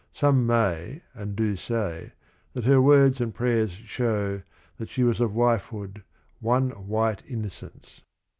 Some may and do say that her words and prayers show "she was of wifehood, one white innocence."